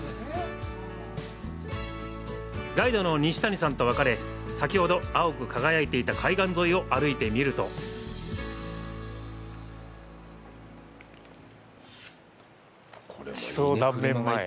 ガイドの西谷さんと別れ先ほど青く輝いていた海岸沿いを歩いてみると地層断面前。